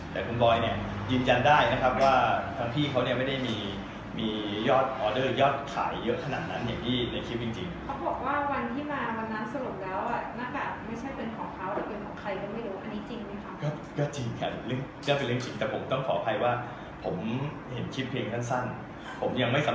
แต่คุมบอยเนี่ยยืนยันได้นะครับว่าท่านพี่เขาเนี่ยไม่ได้มียอดออเดอร์ยอดขายเยอะขนาดนั้นสิแบบนี้ในคลิปจริง